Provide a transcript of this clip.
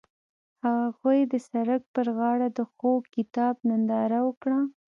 هغوی د سړک پر غاړه د خوږ کتاب ننداره وکړه.